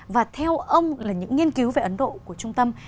và theo ông là những nghiên cứu về ấn độ của trung tâm